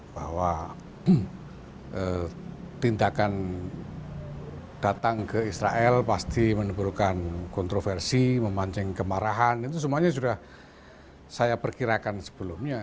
bahwa tindakan datang ke israel pasti menimbulkan kontroversi memancing kemarahan itu semuanya sudah saya perkirakan sebelumnya